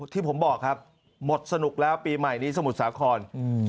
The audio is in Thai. ที่ผมบอกครับหมดสนุกแล้วปีใหม่นี้สมุทรสาคร